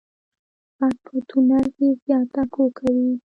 غږ په تونل کې زیات اکو کوي.